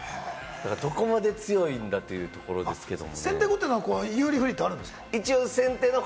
だからどこまで強いんだというところですけれども。